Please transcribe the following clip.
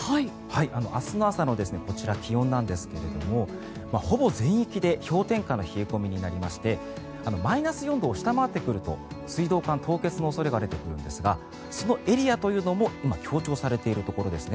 明日の朝のこちら、気温なんですがほぼ全域で氷点下の冷え込みになりましてマイナス４度を下回ってくると水道管凍結の恐れが出てくるんですがそのエリアというのも今、強調されているところですね。